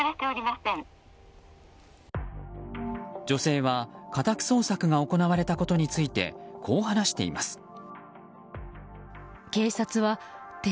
女性は家宅捜索が行われたことについてこう話しています。